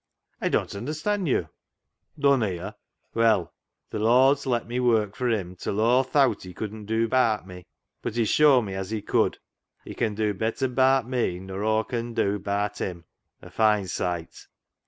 " I don't understand you." " Dunno yo' ? Well th' Lord's let me work for Him till Aw thowt He couldn't dew ba'at me, but He's shown me as He could. He can dew better ba'at me nor Aw con dew ba'at Him, a fine sight."